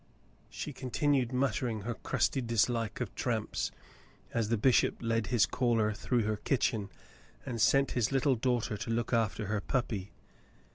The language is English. She continued muttering her crusty dislike of tramps, as the bishop led his caller through her kitchen and sent his little daughter to look after her puppy.